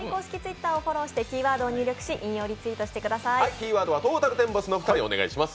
キーワードはトータルテンボスの２人、お願いします。